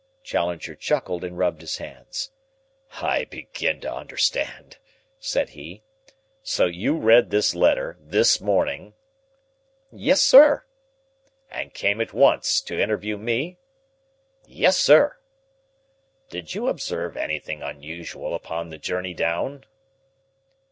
Challenger chuckled and rubbed his hands. "I begin to understand," said he. "So you read this letter this morning?" "Yes, sir." "And came at once to interview me?" "Yes, sir." "Did you observe anything unusual upon the journey down?"